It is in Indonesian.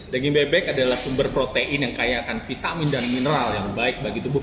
daging bebek adalah sumber protein yang kaya akan vitamin dan mineral yang baik bagi tubuh